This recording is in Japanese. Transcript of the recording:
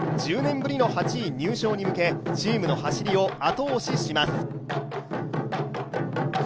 １０年ぶりの８位入賞に向けチームの走りを後押しします。